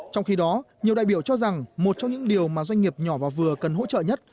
trong khi đó nhiều đại biểu cho rằng một trong những điều mà doanh nghiệp nhỏ và vừa cần hỗ trợ nhất